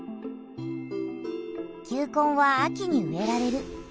球根は秋に植えられる。